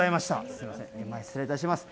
すみません、前、失礼いたします。